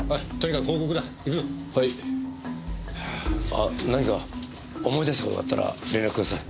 あっ何か思い出した事があったら連絡ください。